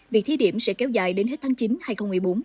việc thi điểm sẽ kéo dài đến hết tháng chín hai nghìn một mươi bốn